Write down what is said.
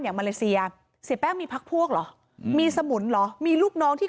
มาเลเซียเสียแป้งมีพักพวกเหรอมีสมุนเหรอมีลูกน้องที่